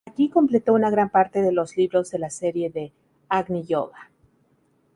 Aquí completó una gran parte de los libros de la serie de Agni Yoga.